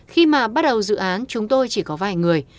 khi mà bắt đầu dự án chúng tôi chỉ có vài người